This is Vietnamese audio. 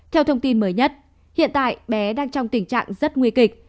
theo thông tin mới nhất hiện tại bé đang trong tình trạng rất nguy kịch